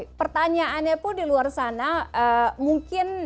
mungkin pertanyaannya pun di luar sana mungkin pertanyaannya pun di luar sana mungkin